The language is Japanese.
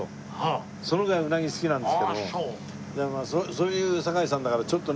そういう堺さんだからちょっとね